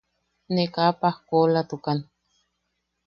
Ne kaa pajkoʼolatukan.